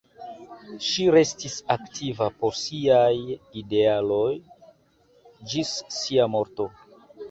Ŝi restis aktiva por siaj idealoj ĝis sia morto.